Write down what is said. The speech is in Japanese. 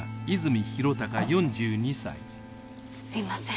すみません。